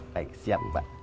baik siap pak